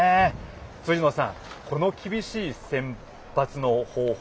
辻野さん、この厳しい選抜の方法